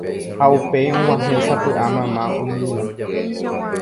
ha upéi og̃uahẽ sapy'a mama umíva.